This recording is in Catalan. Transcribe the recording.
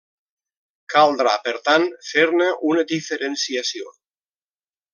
Caldrà, per tant, fer-ne una diferenciació.